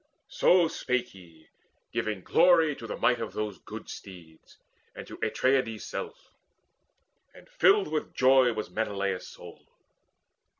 So spake he, giving glory to the might Of those good steeds, and to Atreides' self; And filled with joy was Menelaus' soul.